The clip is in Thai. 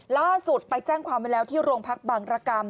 ล่าสุดไปแจ้งความไว้แล้วที่โรงพักบังรกรรม